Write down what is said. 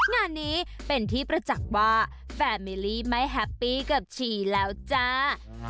งานนี้เป็นที่ประจักษ์ว่าแฟร์มิลี่ไม่แฮปปี้กับชีแล้วจ้า